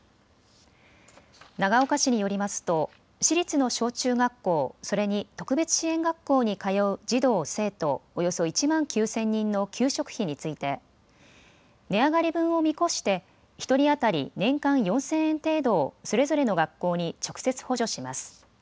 長岡市によりますと市立の小中学校、それに特別支援学校に通う児童、生徒およそ１万９０００人の給食費について値上がり分を見越して１人当たり年間４０００円程度をそれぞれの学校に直接補助します。